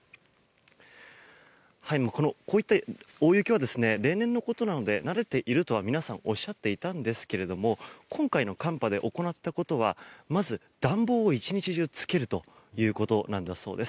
こういった大雪は例年のことなので慣れているとは皆さんおっしゃっていたんですが今回の寒波で行ったことはまず、暖房を１日中つけるということなんだそうです。